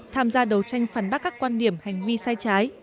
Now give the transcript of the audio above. tham gia đấu tranh phản bác các quan điểm hành vi sai trái